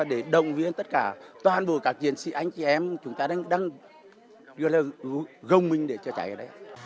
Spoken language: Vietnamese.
để đồng viên tất cả toàn bộ các chiến sĩ anh chị em chúng ta đang gồng mình để cháy ở đấy